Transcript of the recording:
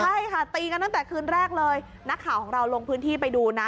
ใช่ค่ะตีกันตั้งแต่คืนแรกเลยนักข่าวของเราลงพื้นที่ไปดูนะ